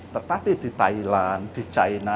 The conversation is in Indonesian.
tetapi di thailand di china di argentina